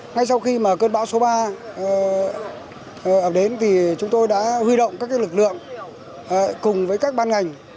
ngay sau khi mà cơn bão số ba đến thì chúng tôi đã huy động các lực lượng cùng với các ban ngành